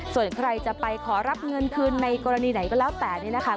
ส่วนใครจะไปขอรับเงินคืนในกรณีไหนก็แล้วแต่เนี่ยนะคะ